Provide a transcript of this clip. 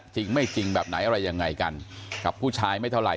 จริงไม่จริงแบบไหนอะไรยังไงกันกับผู้ชายไม่เท่าไห